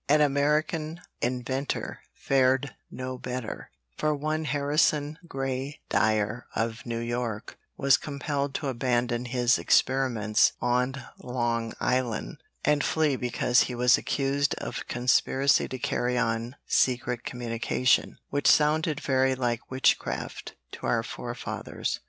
An American inventor fared no better, for one Harrison Gray Dyar, of New York, was compelled to abandon his experiments on Long Island and flee because he was accused of conspiracy to carry on secret communication, which sounded very like witchcraft to our forefathers.